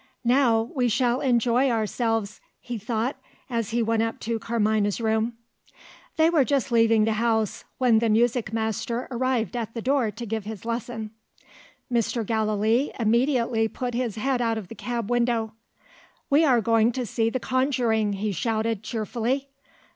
"Now we shall enjoy ourselves!" he thought as he went up to Carmina's room. They were just leaving the house, when the music master arrived at the door to give his lesson. Mr. Gallilee immediately put his head out of the cab window. "We are going to see the conjuring!" he shouted cheerfully.